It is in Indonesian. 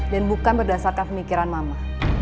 dan bukan berdasarkan pemikiran mama